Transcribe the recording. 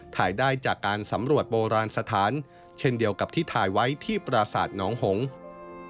ถ่ายได้จากการสำรวจโบราณสถานเช่นเดียวกับที่ถ่ายไว้ที่ปราศาสตร์น้องหงษ์